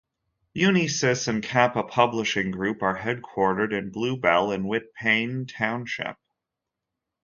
Unisys and Kappa Publishing Group are headquartered in Blue Bell in Whitpain Township.